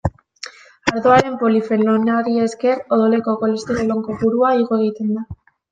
Ardoaren polifenolari esker odoleko kolesterol on kopurua igo egiten da.